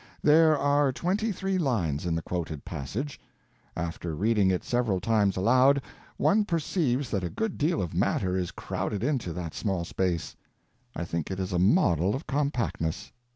There are twenty three lines in the quoted passage. After reading it several times aloud, one perceives that a good deal of matter is crowded into that small space. I think it is a model of compactness.